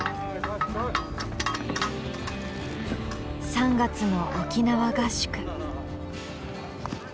３月の沖縄合宿。